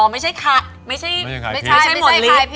อ๋อไม่ใช่ขาดไม่ใช่หมดฤทธิ์